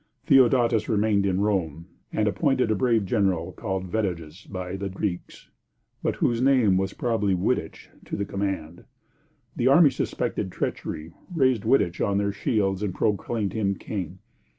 Theodatus remained in Rome, and appointed a brave general called Vetiges by the Greeks, but whose name was probably Wittich, to the command. The army suspected treachery, raised Wittich on their shields and proclaimed him king.